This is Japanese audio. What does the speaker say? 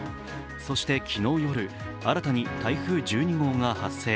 そして昨日夜、新たに台風１２号が発生。